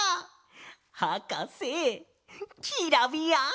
はかせキラビヤン！